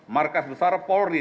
markas besar polri